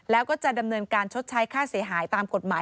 แล้วก็จะดำเนินการชดใช้ค่าเสียหายตามกฎหมาย